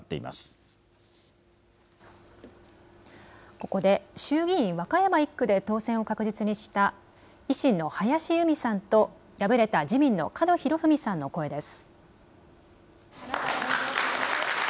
ここで衆議院和歌山１区で当選を確実にした維新の林佑美さんと敗れた自民の門博文さんの声です。